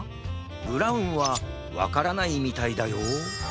ブラウンはわからないみたいだよ